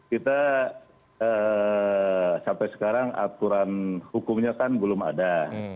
kita sampai sekarang aturan hukumnya kan belum ada